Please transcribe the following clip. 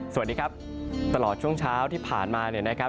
สวัสดีครับตลอดช่วงเช้าที่ผ่านมาเนี่ยนะครับ